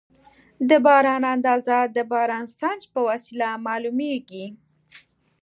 د باران اندازه د بارانسنج په وسیله معلومېږي.